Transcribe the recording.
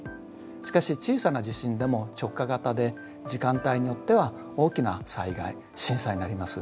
しかし小さな地震でも直下型で時間帯によっては大きな災害震災になります。